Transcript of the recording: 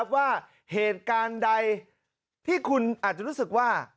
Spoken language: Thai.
ว่าเหตุการณ์ใดที่คุณอาจจะรู้สึกว่า